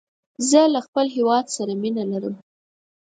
زه له خپل هېواد سره مینه لرم